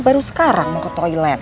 baru sekarang mau ke toilet